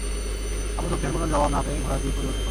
Abu Sufyan কোন জবাব না পেয়ে ঘোড়ার দিক পরিবর্তন করে।